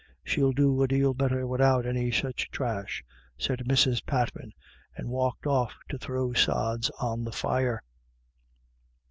" She'll do a dale better widout any such thrash," said Mrs. Pat man, and walked off to throw sods on the fire.